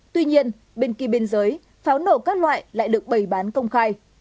tuy nhiên bên kia bên dưới pháo nổ các loại lại được bày bán công khai